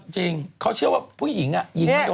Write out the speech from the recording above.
จริงเขาเชื่อว่าผู้หญิงอ่ะยิงไม่โดนเขาแน่นอน